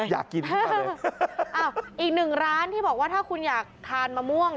อยากกินอีกหนึ่งร้านที่บอกว่าถ้าคุณอยากทานมะม่วง